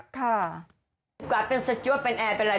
โอกาสเป็นสจวบเป็นแอร์เป็นอะไร